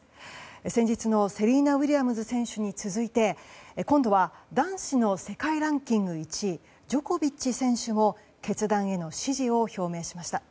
先日のセリーナ・ウィリアムズ選手に続いて今度は男子の世界ランキング１位ジョコビッチ選手も決断への支持を表明しました。